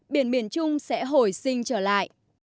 biển miền trung sẽ hồi sinh trở lại